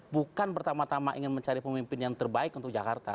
bukan pertama tama ingin mencari pemimpin yang terbaik untuk jakarta